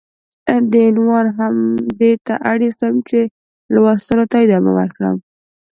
دې عنوان هم دې ته اړيستم چې ،چې لوستلو ته ادامه ورکړم.